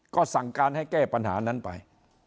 ก็สั่งการให้แก้ปัญหานั้นไป